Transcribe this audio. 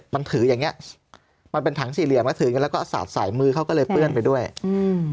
มันถืออย่างเงี้ยมันเป็นถังสี่เหลี่ยมแล้วถือกันแล้วก็สาดใส่มือเขาก็เลยเปื้อนไปด้วยอืม